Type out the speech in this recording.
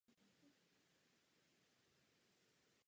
Vyjádřete se k tomu prosím, pane komisaři.